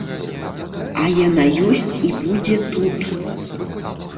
А яна ёсць і будзе тут.